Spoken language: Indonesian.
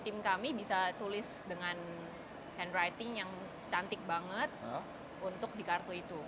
tim kami bisa tulis dengan handriting yang cantik banget untuk di kartu itu